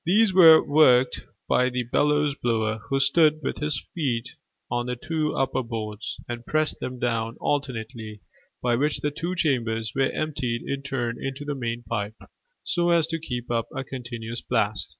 These were worked by a bellows blower, who stood with his feet on the two upper boards, and pressed them down alternately, by which the two chambers were emptied in turn into the main pipe, so as to keep up a continuous blast.